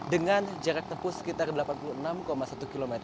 dengan jarak tempuh sekitar delapan puluh enam satu km